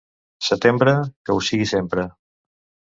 Setembre, que ho sigui sempre.